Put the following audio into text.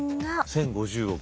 １，０５０億。